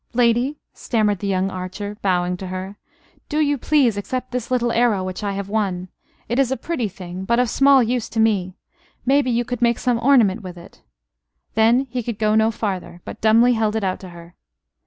"Lady," stammered the young archer, bowing to her, "do you please accept this little arrow which I have won. It is a pretty thing; but of small use to me. Maybe you could make some ornament with it " Then he could go no farther; but dumbly held it out to her.